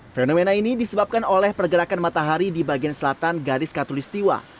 fenomena ini disebabkan oleh pergerakan matahari di bagian selatan garis katulistiwa